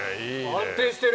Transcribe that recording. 安定してる。